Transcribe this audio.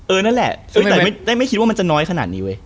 นั่นแหละแต่ไม่คิดว่ามันจะน้อยขนาดนี้เว้ย